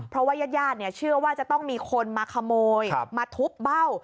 เพราะว่ายาดเชื่อว่าจะต้องมีคนมาขโมยมาทุบเบ้า